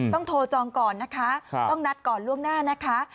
โทรจองก่อนนะคะต้องนัดก่อนล่วงหน้านะคะ